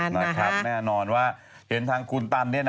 แน่นอนว่าเห็นทางคุณตัน